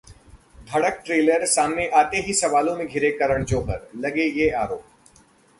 Dhadak trailer सामने आते ही सवालों में घिरे करण जौहर, लगे ये आरोप